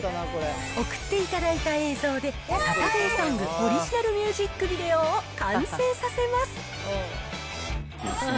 送っていただいた映像で、サタデーソングオリジナルミュージックビデオを完成させます。